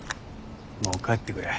もう帰ってくれ。